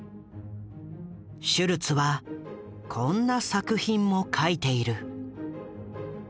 シュルツはこんな作品も描いている。